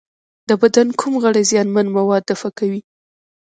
د بدن کوم غړي زیانمن مواد دفع کوي؟